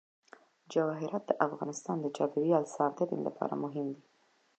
جواهرات د افغانستان د چاپیریال ساتنې لپاره مهم دي.